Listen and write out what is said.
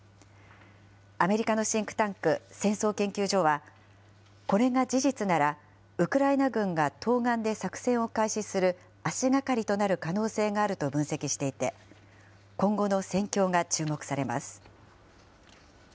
アメリカのシンクタンク、戦争研究所は、これが事実なら、ウクライナ軍が東岸で作戦を開始する足がかりとなる可能性があると分析していて、今後の戦況が注目されます。